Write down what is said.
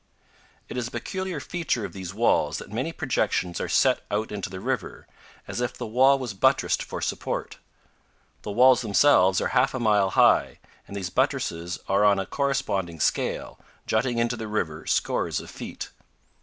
It is a peculiar feature of these walls that many projections are set out into the river, as if the wall was buttressed for support. The walls themselves are half a mile high, and these buttresses are on a corresponding scale, jutting into the river scores of feet.